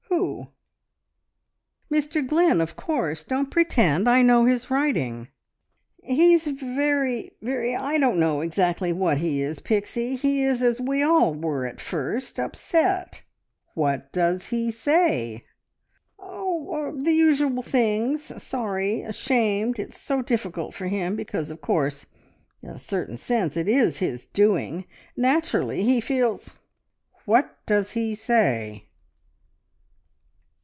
"Who?" "Mr Glynn, of course. Don't pretend! I know his writing." "He's very ... very I don't know exactly what he is, Pixie. He is as we all were at first upset!" "What does he say?" "Oh, er er the usual things. Sorry. Ashamed. It's so difficult for him, because, of course, in a certain sense it is his doing. ... Naturally, he feels " "What does he say?"